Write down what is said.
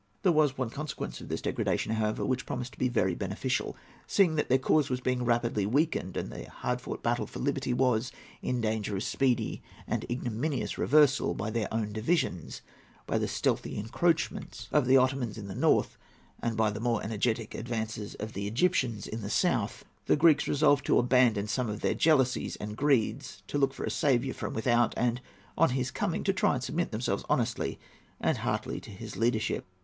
There was one consequence of this degradation, however, which promised to be very beneficial. Seeing that their cause was being rapidly weakened, and that their hard fought battle for liberty was in danger of speedy and ignominious reversal by their own divisions, by the stealthy encroachments of the Ottomans in the north, and by the more energetic advances of the Egyptians in the south, the Greeks resolved to abandon some of their jealousies and greeds, to look for a saviour from without, and, on his coming, to try and submit themselves honestly and heartily to his leadership.